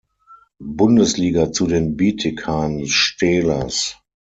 Bundesliga zu den Bietigheim Steelers.